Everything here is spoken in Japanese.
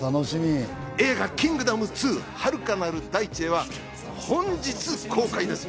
映画『キングダム２遥かなる大地へ』は本日公開です。